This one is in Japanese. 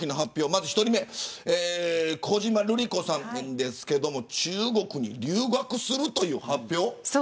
まずは１人目小島瑠璃子さんなんですが中国に留学するという発表。